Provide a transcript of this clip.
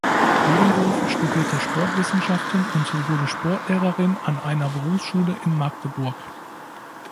Bodendorf studierte Sportwissenschaften und wurde Sportlehrerin an einer Berufsschule in Magdeburg.